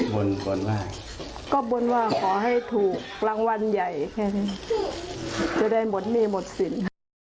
บงว่าขอให้ถูกลังวัลใหญ่